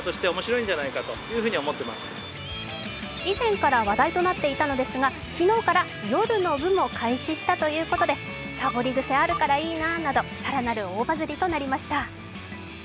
以前から話題となっていたのですが、昨日から夜の部も開始したということで「サボり癖あるからいいな」など更なる大バズりとなりました。